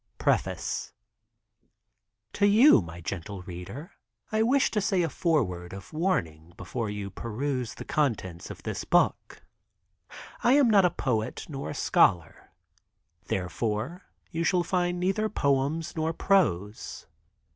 PREFACE TO you, my gentle reader, I wish to say a foreword of warning before you peruse the contents of this book. I am not a poet nor a scholar, therefore you shall find neither poems nor prose.